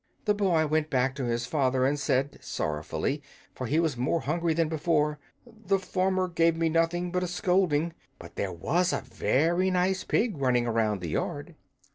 The boy went back to his father, and said, sorrowfully, for he was more hungry than before, "The farmer gave me nothing but a scolding; but there was a very nice pig running around the yard."